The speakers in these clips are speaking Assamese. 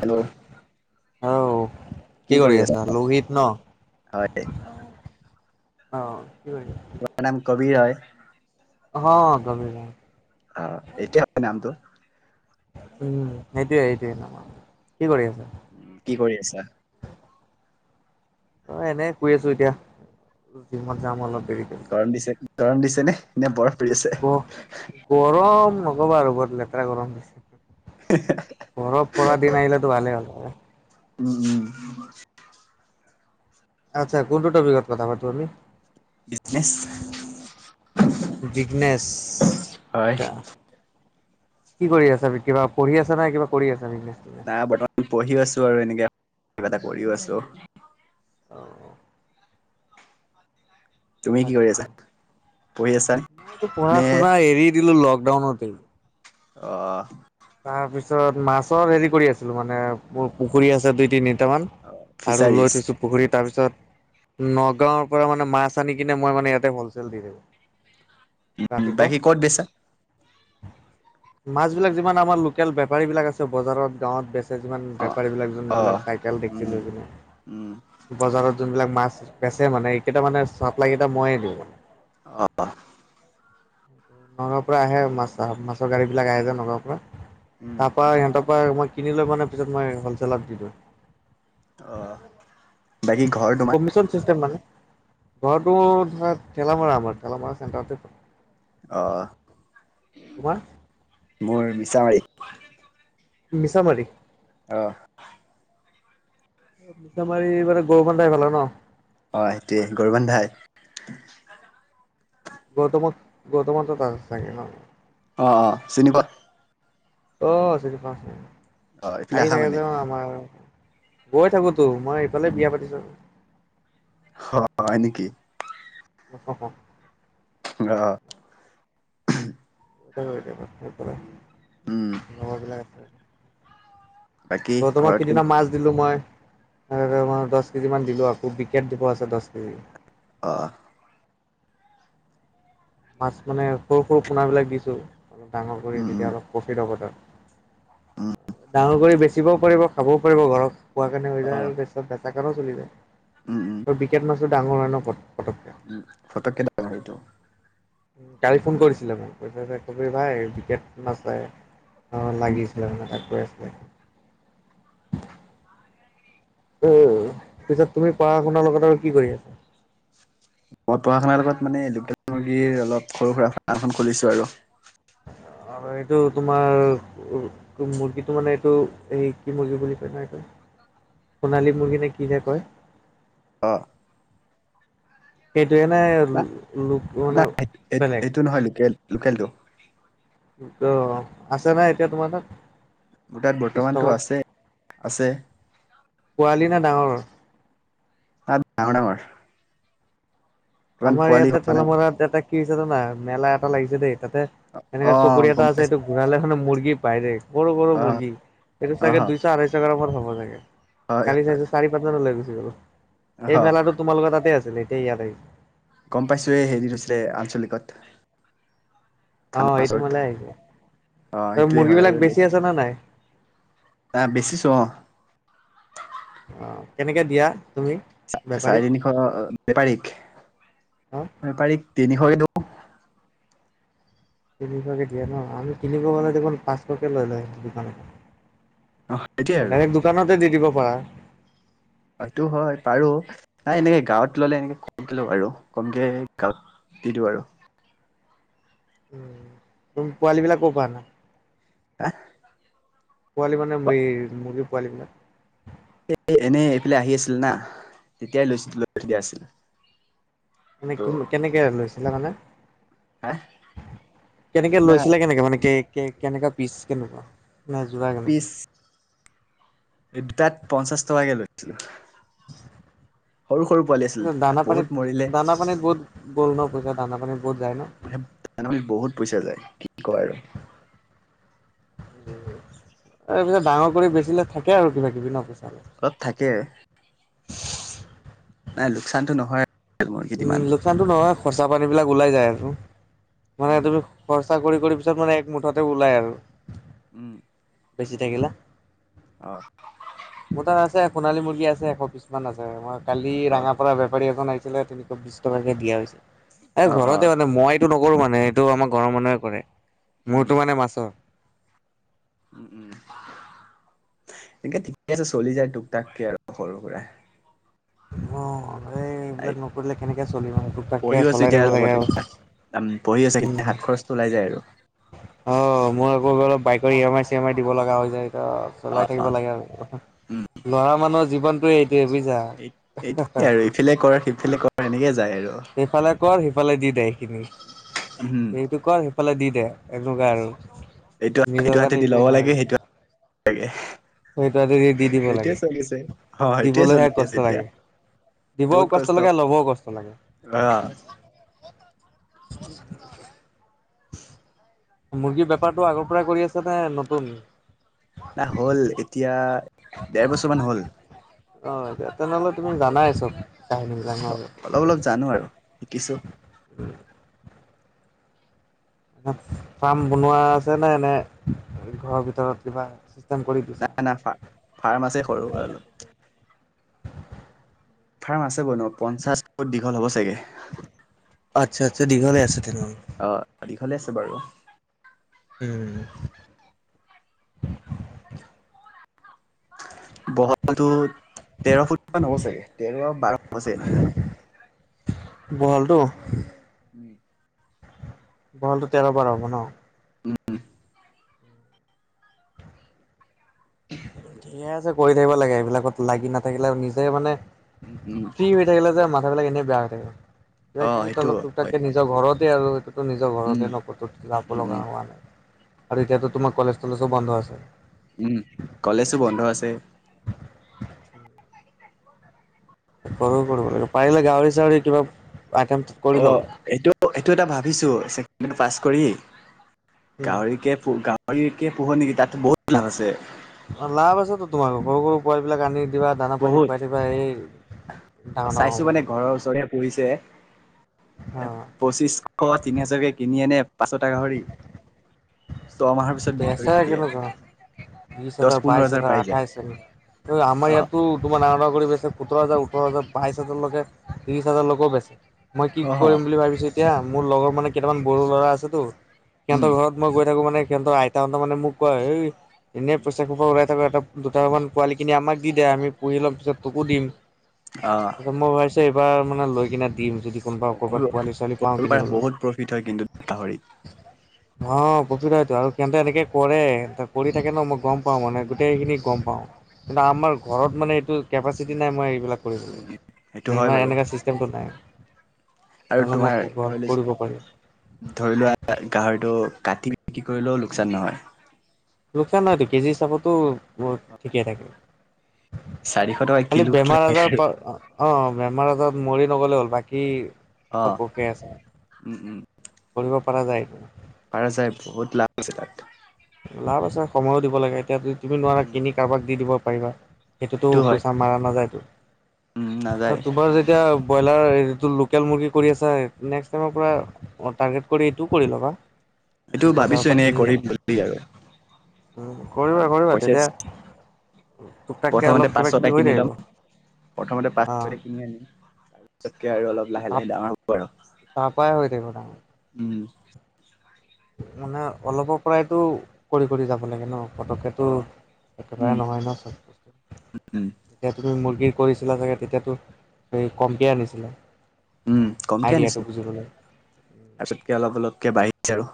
হেল্ল' আও কি কৰি আছা লোহিত ন হয় অহ কি কৰিছ মোৰ নাম কবিৰ হয় অহ কবিৰ হয় অহ একে হয় নামটো উম সেইটোৱে সেইটোৱে কি কৰি আছ কি কৰি আছা? অহ এনে শুই আছো এতিয়া জিমত যাম অলপ দেৰিকে গৰম দিছে গৰম দিছে নে নে বৰফ পৰি আছে গ গৰম নকবা আৰু বৰ লেতেৰা গৰম দিছে হেহু হে বৰফ পৰা দিন আহিলেতো ভালে হ'লে হয় উম উম আচ্ছা কোনটো টপিকত কথা পাতোঁ আমি বিজনেচ বিজনেছ হয়। এটা কি কৰি আছা কিবা পঢ়ি আছা না কিবা কৰি আছা বিজনেছ আ বৰ্তমান পঢ়িও আছো আৰু এনেকে কিবা এটা কৰিও আছো অহ তুমি কি কৰি আচ্ছা আছা, পঢ়ি আছা মইতো পঢ়া নে শুনা এৰি দিলো লকডাউনতেই অহ তাৰ পিছত মাছৰ হেৰি কৰি আছিলো মানে মোৰ পুখুৰী আছে দুই তিনিটা মান আৰু ফিচাৰিজ? লৈ থৈছো পুখুৰীত তাৰপিছত নগাঁৱৰ পৰা মানে মাছ আনি কিনে মই মানে ইয়াতে হলচেল দি দিও উম, ৰাতিপুৱা বাকী ক'ত বেচা? মাছ বিলাক যিমান আমাৰ লোকেল বেপাৰী বিলাক আছে বজাৰত গাঁৱত বে কিছুমান অ' বেপাৰী বিলাক অ'। যোনবিলাক চাইকেল দেখি উম, লৈ কিনে উম, বজাৰত যোনবিলাক মাছ বেচে মানে এইকেইটা মানে চাপ্লাই কেইটা মইয়ে দিওঁ অহ নগাঁৱৰ পৰা আহে মাছ মাছৰ গাড়ী বিলাক আহে যে নগাঁৰ পৰা উম, তাৰ পৰা সিহঁতৰ পৰা মই কিনি লৈ মানে পিছত মই হলচেলত বিক্ৰী কৰো অহ বাকী ঘৰ তোমাৰ মিচন চিষ্টেম মানে ঘৰটো ধৰা ঠেলামৰা আমাৰ ঠেলামৰা চেণ্টাৰ অহ তোমাৰ? মোৰ মিছামাৰি মিছামাৰি অহ মিছা মাৰি এইফালে গৰু বান্ধাই ভাল হয় ন হয় দে গৌৰবান্ধাই গৌমতক গৌমতক ত চাগে ন অহ অহ চিনি পোৱা অহ চিনি পাওঁ চাগে অ এইফালে আহি আহা থাকে মানে যে আমাৰ ঘৰ গৈ থাকোতো মই ইফালে বিয়া পাতিছো হয় হয় নেকি? অ অ লগৰ বিলাক উম আছে [unintelligible] বাকী ত তোমাৰ ঘৰত কোন কেইদিনা মাছ দিলোঁ মই মই দছ কেজিমান দিলোঁ আকৌ বিকেট দিব আছে দচ কেজি অঁ মাছ মানে সৰু সৰু পোণাবিলাক দিছোঁ। অলপ ডাঙৰ কৰি উম তেতিয়া অলপ প্ৰফিট হ'ব তাত উম ডাঙৰ কৰি বেচিবও পিব খাব পাৰিব ঘৰত খোৱা কাৰণে হৈ অ যায় আৰু পিছত বেচা কাৰো চলি যায়। উম উম ত বিকেট মাছটো ডাঙৰ হয় ন পতককে উ পটককে ডাঙৰ হয় সেইটো উ কালি ফোন কৰিছিলে মান কৈছা যে কবি ভাই বিকেট লাগে। অ লাগিছিলে মানে এাক কৈ আছিলে। উ পিছত তুমি পঢ়া শুনাৰ লগত আৰু কি কৰি আছা। মই পঢ়া শুনাৰ লগত মানে লোকেল মুৰ্গীৰ, অলপ সৰু সুৰা ফাম এখন খুলিছোঁ আৰু আৰু এইটো তোমাৰ- উ মুৰ্গীটো মানে এইটো এই কি মুৰ্গী বুলি কয় নহয় এইটো সোণালী মুৰ্গীনে কি হে কয়। অঁ সেইটয়ে নে ন লোক মানে নাই বেলেগ এইটো নহয় লোকেল লোকেলটো ত আছে নাই এতিয়া তোমাৰ তাত মোৰ তাত বৰ্তমানতটো ষ্টকত আছে আছে। পোৱালি নে ডাঙৰ তাত ডাঙৰ ডাঙৰ ইমান আমাৰ পোৱালি ইয়াতে হোৱা নাই ঠেলামৰাত এটা কি হৈছে জনা মেলা এটা লাগিছে দেই তাতে অ এনেকাে চকৰি গম এটা আছে পাইছো এইটো ঘূৰাালে মানে মুূৰ্গী পাই দেই। সৰু বৰু অ মুৰ্গী এইটো অ চাগে দুইশ আঢাইশ গ্ৰামৰ হব চাগে হয় কালি চাই। চাৰি পাঁচমান লৈ গুচি গলো অ এই মেলা তোমালোকৰ তাতে আছিলে এতিয়া ইয়াত আহিলে। গম পাইছোঁৱেই হেৰি নছিলে আঞ্চলিকত অ থানাৰ এইটো উচৰত মেলাই আহিছে। অ সেইটোয়ে হয় আৰু দেই। জানা নাই আহ বেচিছো অ অ কেনেকে দিয়া তুমি? বেপাৰীক চাৰে তিনিশ বেপাৰীক অ বেপাৰীক তিনিশ দিউ তিনিশকে দিয়ে ন আমি তিনিশকে হলে দেখোন পাঁচশকে লৈ লওঁ দোকানৰ পৰা। অ কেতিয়া আৰু ডাইৰেক্ট দোকানতে দি দিব পাৰা। সটো হয় পাৰু তাই এনেকে গাঁৱত ললে এনেকে কমক ল পাৰ কমকে গাঁৱত- সটো আৰু উ তুমি পোৱালী বিলাক ক'ৰ পৰা না। হা পোৱালি মানে ম মুৰ্গী পোৱালিবিলাক। এনেই এইফালে আহি আছিল না তেতিয়াই লৈছিল লৈ থৈ দিয়া আছিল। মানে কিম ত' কেনেকে লৈছিলা মানে? হা কেনেকে না লৈছিলা কেনেকে মানে কে কে কেনেকা পিচ কেনেকুৱা? না যোৱা কেনকা। এই দুতাত পঞ্চাশ টকাকে লৈছিলো। সৰু সৰু পোৱালি আছিল দানা পানীত বহুত মৰিলে দানা পানীত বহুত গ'ল ন পইচা দানা পানী বহুত যায় ন। এনবি বহুত পইচা যায় কি ক আৰু। এই পিছত ডাঙৰ কৰি বেচিলে থাকে আৰু কিবা কিবি ন পইচা অলপ। তাত থাকে। নাই লোকচানতো নহয়। মুৰ্গীত উম ইমান লোকচানতো নহয় খৰচা পানী বিলাক ওলাই যায় আৰু মানে উম তুমি খচ- চাকৰি কৰি পিছত মানে এক মুঠতে ওলাই আৰু। উম, বেছি থাকিলে। অঁ, মোৰ তাত আছে সোণালী মুৰ্গী আছে এশ পিছ মান আছে মই কালি অ ৰাঙা পৰা বেপাৰী এজন আহিছিলে তে- বিশ টকাকে দিয়া হৈছে এ অ অ ঘৰতে মানে মই- টো নকৰো মানে এইটো আমাৰ ঘৰৰ মানুহে কৰে উম মোৰতো মানে মাছৰ। উম উম এনেকে ঠিকে আছে চলি যায় টোক তাককে আৰু সৰু সুৰা। অ' এই এইবিলাক নকৰিলে কেনেকে চলিম আৰু তোক-তাক কে পঢ়িও আছো চলাই এতিয়া থাকিব লাগে লগতে আও। পঢ়ি আছে হাত খৰচটো ওলাই যায় আৰু। অ', মোৰ আকৌ অলপ বাইকৰ ইএমাৰ চিয়েমাৰ দিব লগা হৈ যায়। অ অ চলাই থাকিব লাগে উম আৰু লৰা মানুহৰ জীৱনতো এইটোয়ে বুইজ এইট এইটে আৰু ইফালে কৰ সিফালে কৰ এনেকে যায় আৰু। সিফালে কৰ সিফালে দি দে এইখিনি। উমহু। টো কৰ সিফালে দি দে এনকুৱা আৰু। এইটো নিজৰ এইটো গাত হাতেদি ল'ব একোৱে লাগে নহয়। সেইটো লাগে। সেইটো হতে দি দিব সেইটোৱে লাগে চলিছে অ সেইটোৱে দিবলৈহে চলি কষ্ট আছে এতিয়া লাগে। দিবও কষ্ট লাগে লবও কষ্ট লাগে। অ'। মুৰ্গীৰ বেপাৰটো আগৰ পৰাই কৰি আছ নে নতুন। তা হ'ল এতিয়া দেৰ বছৰ মান হ'ল। অঁ', যা তেনেহলে তুমি জানাই চব কাহিনীবিলাক ন। অলপ অলপ জানো আৰু শিকিছো। ফাৰ্ম বনোৱা আছে নে এনে ঘৰৰ ভিতৰত কিবা। কাম কৰি দিছা। নাই না ফাৰ্ম আছে সৰু অলপ ফাৰ্ম আছে বন পঞ্চাশ ফুট দীঘল হ'ব চাগে। অ আৎচ্ছা আৎচ্ছ দীঘলে আছে তেনেহলে। অ', দীঘলে আছে বাৰু। উম। বহলতো তেৰ ফুটা মান হ'ব চাগে তেৰ বাৰ হৈছে এনেকা। বহলটো। উম, বহলটো তেৰ বাৰ হ'ব ন। ধুনীয়াচে কৰি থাকিব লাগে এইবিলাকত লাগি নাথাকিলে নিজে মানে উম উম। ফ্ৰী হৈ থাকিলে যে মাথা বিলাক এনে বেয়া হৈ থাকে কিবা অ', কিবি সেইটো তাৰলগত তুক হয়। তাককে নিজ নিজৰ ঘৰতে আৰু সেইটোতো নিজৰ উম, ঘৰতে নক যাব উম, লগা উম। হোৱা নাই আৰু এতিয়াতো তোমাৰ কলেজ চলেজও বন্ধ আছে। উম কলেজো বন্ধ আছে। উম। কৰ কৰিব লাগে পাৰিলে গাহৰি চাহৰি কিবা আইটেম কৰি অ', ল'বা। এইটো এইটো এটা ভাবিচো ছেকেণ্ড ইয়াৰ পাছ কৰি উম। গাহৰিকে গাহৰিকে পোহো নেকি তাত বহুত লাভ আছে। অ', লাভ আছে তোমাৰ সৰু সৰু পোৱালী বিলাক আনি দিবা দানা পানী খুৱাই দিবা এই ডাঙৰ ডাঙৰ হ'ব চাইছো মানে এইবিলাক। ঘৰৰ ওচৰৰে পুহিছে অ পঁচিছশ তিনি হোজাৰকে কিনিয়েনে পাঁচটা গাহৰি। ছমাহৰ পিছত বিক্ৰী কৰি দিয়ে। বিশছ দহ হাজাৰ পোন্ধৰ বাইশ হাজাৰ পাই যায় আঠাইছ আমাৰ অ', ইয়াতো তোমাৰ ডাঙৰ ডাঙৰ কৰি বেছে সোতৰ হাজাৰ ওঠৰ হাজাৰ বাইশ হাজাৰলৈকে ত্ৰিশ হাজাৰ লোকও বেচে। মই কি অ', কৰিম বুলি ভাবিছো এতিয়া মোৰ লগৰ মানে কেইটামান বড়ো ল'ৰা আছেতো। উম, সিহতৰ ঘৰত মই গৈ থাকো মানে সিহতৰ আইতাহতে মানে মোক কয় ঐ এনেই পইচা খোপা উৰাই থাক এটা দুটামান পোৱালিকিনি আমাক দি দে আমি পুহি লম পিছত তোকো দিম অ'। ত মই ভাবিছোঁ এইবাৰ মানে লৈ কিনে দিম যদি। কোনোবা অ', ক'ৰবাত কৰিব পোৱালি ছোৱালী পাওঁ কৰিব পাৰে কিনিবলৈ। বহুত প্ৰফিট হয় কিন্তু গাহৰিত। অ', প্ৰফিট হয়তো আৰু সিহতে এনেকে কৰে কৰি থাকে ন মই গম প পাও মানে উম গোটেইখিনি গম পাও কিন্তু আমাৰ ঘৰত মানে এইটো কেপাচিটি নাই মই এইবিলাক উম উম। সেইটো হয় কৰিবলৈমই বাৰু এনেকুৱা ছিষ্টেমটো নাই আৰু নহ'লে মই তোমাৰ ঘৰত ধৰি কৰিব পাৰিম লছ ধৰি লোৱা গাহৰিটো কাটি বিক্ৰী কৰিলেও লোকচান নহয় লোকচান নাইতো কেজি হিচাপতো মোৰ ঠিকেই থাকে। চাৰিশ টকা খালি কিলো কিলো বেমাৰ আজাৰ প অ বেমাৰ আজাৰত মৰি নগলে হ'ল বাকী অ চবকে আছে কৰিব পৰা যায়টো পাৰা যায় বহুত লাভ আছে তাত। লাভ আছে সময়ো দিব লাগে এতিয়া তুমি নোৱাৰা উম। কিনি কাৰোবাক দি দিব পাৰিবা। সেইটোতো সেইটো হয় পইচা মাৰা উম নাযায়তো নাযায় তোমাৰ য এতিয়া ব্ৰইলাৰ সেইটো লোকেল মুৰ্গী কৰি আছা নেক্স টাইমৰ পৰা - টাৰ্গেট কৰি এইটোও কৰি ল'বা। এইটো বজাৰৰ ভাবিছোঁ এনেকে কৰিম বুলি আৰু উম কৰিবা কৰিবা পইচা তেতিয়া টুক টাককে অলপ প্ৰথমতে কিবা পাঁচ কিবি ছটা হৈ কিনি থাকিব লম অ প্ৰথমতে পাঁচ ছটা কিনি আনিম। তাকে আৰু অলপ লাহে তাপ লাহে ডাঙৰ হব আৰু তাৰ পায় হৈ থাকিব ডাঙৰ। উম মানে অলপৰ পৰাইতটো কৰি কৰি যাব লাগে ন। পটকেতো অ একেবাৰে উম নহয় ন চব বস্তু। উম যেতিয়া তুমি মুৰ্গীৰ কৰিছিলা চাগে তেতিয়াতো কমকিয়াই আনিছিলা। উম কমকে আইডিয়াটো আনিছিলো, বুজিবলৈ। তাৰ পিছতকে অলপ অলপকে বাঢ়িছে আৰু।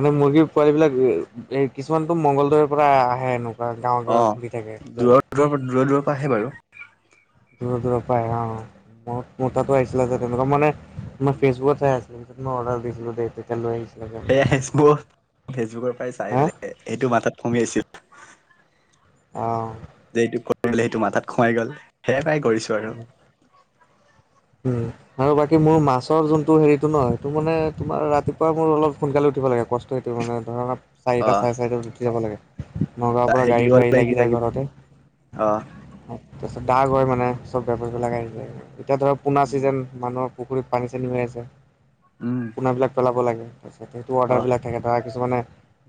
এনে মুৰ্গীৰ পোৱালী বিলাক কিছুমানতো মঙলদৈ পৰা আহে হেনো অঁ, দূৰৰ দূৰৰ পৰা দূৰৰ দূৰৰ পৰা আহে বাৰু। দূৰ দূৰ পৰা অ ম তাতো আহিছিলে যে তেনেকুৱা মানে মাৰ ফেচবুকত চে আছে ত মই অৰ্ডাৰ দিছিলো দে। লৈ আহিছিলে। সে সিহঁতে। ফেচবুক ফেচবুকৰ পৰাই চাই হা বেললেগ এইটো মথাত কমি আছিল। অঁ যে এইটো কৰিবলে সটো মাত খোমাই গ'ল সেয়াই কৰিছো। আৰু উম। উম। আৰু বাকী মোৰ মাছৰ যোনটো হেৰিটো ন, এইটো মানে তোমাৰ ৰাতিপুৱা মোৰ অলপ সোনকালে উঠিব লাগে, কষ্ট ত এইটো মানে ধৰক। চাৰিটা অ', চাৰে চাৰিটাত উঠি যাব লাগে, নগাঁৱৰ পৰা গাড়ীটো আহি লাগি যায় ঘৰতে। অঁহ। তাৰপিছত দাগ হয় মানে চব বেপাৰী বিলাক আহি যায় আৰু এতিয়া ধৰক পোনা উম, চিজন মানুহ পুখুৰীত পানী চানী হৈ আছে, উম পোনাবিলাক পেলাব লাগে তাৰপিছত সেইটো অ', অৰ্ডাৰবিলাক থাকে। ধ কিছুমানে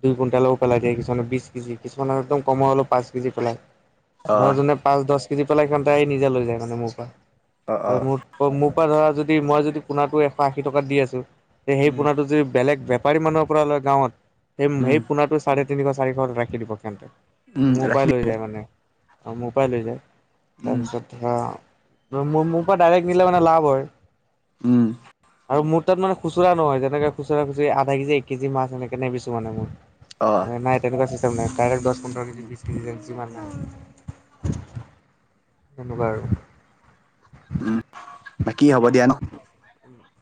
দুই কুইণ্টেলও পেলাই দিয়ে, কিছুমানে বিছ কেজি কিছুমানে একদম কমৰ হ'লেও পাঁচ কেজি পেলায়। ধৰ অ', যোনে পাঁচ দছ কেজি পেলাই সিহঁতে নিজে লৈ যায় মানে মোৰ পৰা অ', আৰু অ', মোৰ মোৰ পৰা ধৰা যদি মই যদি পোনা টো এশ আশী টকাত দি আছো, তে সেই উম, পোনাটো যদি বেলেগ ব বেপাৰী মানুহৰ পৰা লৈ গাঁৱত, সেই উম, সেই পোনাটো চাৰে তিনিশ চাৰিশ ৰাখি দিব তেহেতে উম, মোৰ ৰাখি পৰাই দি লৈ যায় মানে, মোৰ পৰাই লৈ যায়। উম, তাৰপিছত ত, মোৰ মোৰ পৰা ডাইৰেক্ট নিলে মানে লাভ হয়। উম আৰু মোৰ তাত মানে খুচুৰা নহয় যেনেকে খুচুৰা খুচৰি আধা কেজি এক কেজি মাছ এনেকে নিবিছো মানে অ', মই। নাই তেনেকুৱা চিষ্টেম নাই, ডাইৰেক্ট দছ কুন্তল উম, বিশ কেজি হওঁক যিমান হওঁক। তেনেকুৱা আৰু। উম, বাকি হ'ব দিয়া নো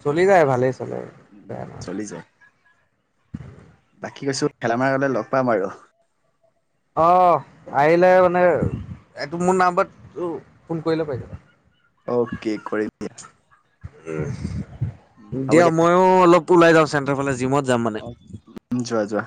চলি যায় ভালে। উম চলি যাই বাকী কৈছো খেলা মাৰ আগলে লগ পাম আৰু। অ আহিলে মানে এইটো মোৰ নাম্বাৰত ফোন কৰিলে পাৰিব। অ'কে কৰিম। উম দিয়া মইও অলপ ওলাই যাওঁ চেণ্টাৰ ফালে জিমত যাম মানে। যোৱা যোৱা।